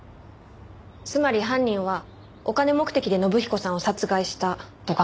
つまり犯人はお金目的で信彦さんを殺害したと考えられます。